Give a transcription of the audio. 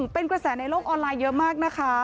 เป็นกระแสในโลกออนไลน์เยอะมากนะคะ